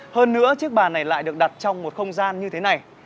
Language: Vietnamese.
hơn nữa chiếc bàn này lại được đặt trong một không gian như thế này